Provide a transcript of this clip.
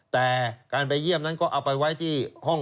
แต่การไปเยี่ยมแล้วนั้นก็เอาไปไว้ที่